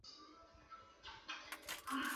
东汉建安中分匈奴左部居此。